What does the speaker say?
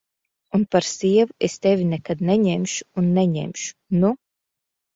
Un par sievu es tevi nekad neņemšu un neņemšu, nu!